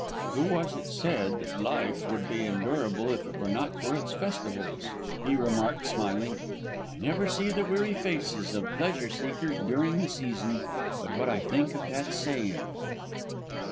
"Who was it said that life would be endurable if it were not for its festivals?" he remarked, smiling. "I never see the weary faces of pleasure seekers during the season but what I think of that saying."